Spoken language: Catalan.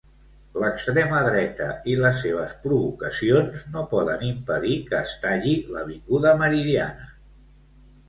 L'extrema dreta i les seves provocacions no poden impedir que es talli l'Avinguda Meridiana.